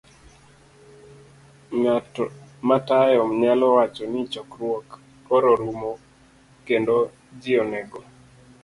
b- Ng'at matayo nyalo wacho ni chokruok koro rumo kendo ji onego